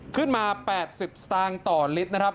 ขึ้นมา๘๐สตางค์ต่อลิตรนะครับ